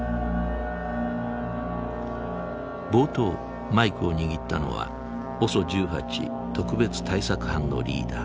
冒頭マイクを握ったのはＯＳＯ１８特別対策班のリーダー藤本靖。